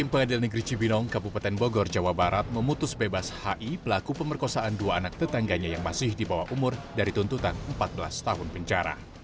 pengadilan negeri cibinong kabupaten bogor jawa barat memutus bebas hi pelaku pemerkosaan dua anak tetangganya yang masih di bawah umur dari tuntutan empat belas tahun penjara